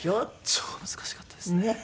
超難しかったですね。